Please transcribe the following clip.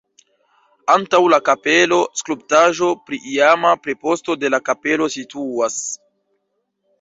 Antaŭ la kapelo skulptaĵo pri iama preposto de la kapelo situas.